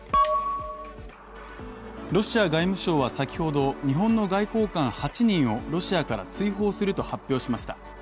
ロシア外務省は先ほど、日本の外交官８人をロシアから追放すると発表しました。